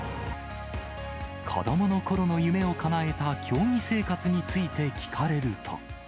子どものころの夢をかなえた競技生活について聞かれると。